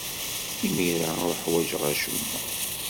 Imir-a, ur ḥwajeɣ acemma.